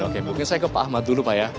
oke mungkin saya ke pak ahmad dulu pak ya